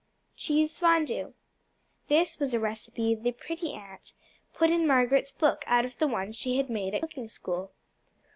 Cheese Fondu This was a recipe the Pretty Aunt put in Margaret's book out of the one she had made at cooking school.